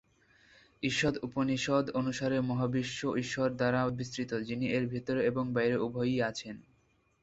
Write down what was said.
ঈশ্বর উপনিষদ অনুসারে, মহাবিশ্ব ঈশ্বর দ্বারা বিস্তৃত, যিনি এর ভিতরে এবং বাইরে উভয়ই আছেন।